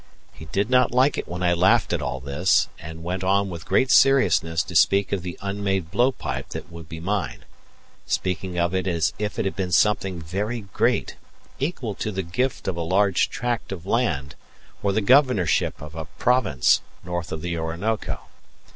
He did not like it when I laughed at all this, and went on with great seriousness to speak of the unmade blowpipe that would be mine speaking of it as if it had been something very great, equal to the gift of a large tract of land, or the governorship of a province, north of the Orinoco.